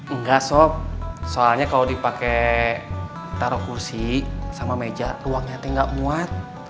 engga sob soalnya kalo dipake taro kursi sama meja ruangnya ga muat